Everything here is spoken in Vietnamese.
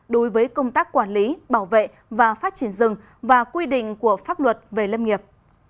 đối với công tác quản lý bảo vệ và phát triển rừng và quy định của pháp luật về lâm nghiệp